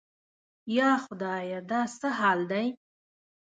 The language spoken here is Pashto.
یا خدایه دا څه حال دی؟